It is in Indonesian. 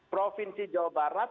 provinsi jawa barat